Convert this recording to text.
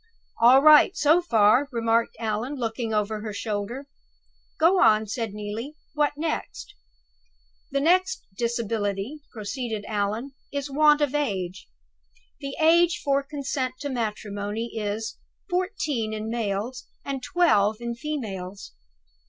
"All right, so far," remarked Allan, looking over her shoulder. "Go on," said Neelie. "What next?" "'The next disability,'" proceeded Allan, "'is want of age. The age for consent to matrimony is, fourteen in males, and twelve in females.